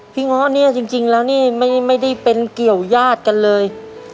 เงาะเนี่ยจริงแล้วนี่ไม่ได้เป็นเกี่ยวญาติกันเลย